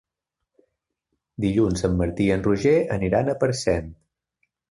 Dilluns en Martí i en Roger aniran a Parcent.